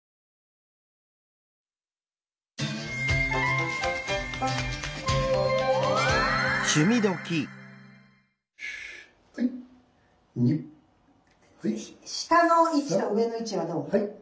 下の位置と上の位置はどう？